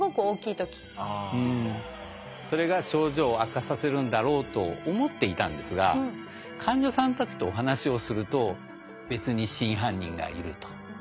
それが症状を悪化させるんだろうと思っていたんですが患者さんたちとお話をすると別に真犯人がいると。